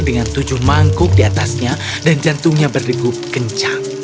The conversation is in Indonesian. dengan tujuh mangkuk di atasnya dan jantungnya berdegup kencang